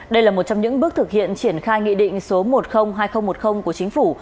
đây là một trong những bước thực hiện triển khai nghị định số một trăm linh hai nghìn một mươi của chính phủ